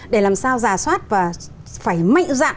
để làm sao rà soát và phải mạnh dạn